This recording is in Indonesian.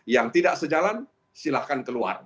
yang tidak sejalan silahkan keluar